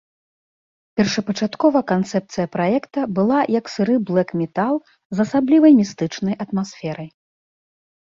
Першапачаткова канцэпцыя праекта была як сыры блэк-метал з асаблівай містычнай атмасферай.